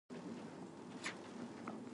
Devenport had a reputation as a psychic.